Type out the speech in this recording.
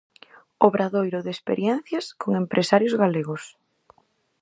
Obradoiro de experiencias con empresarios galegos.